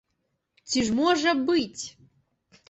Ці ж можа быць!